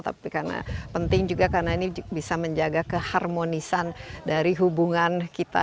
tapi karena penting juga karena ini bisa menjaga keharmonisan dari hubungan kita